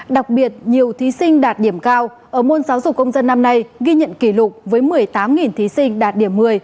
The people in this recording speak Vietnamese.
đặc biệt nhiều thí sinh đạt điểm cao ở môn giáo dục công dân năm nay ghi nhận kỷ lục với một mươi tám thí sinh đạt điểm một mươi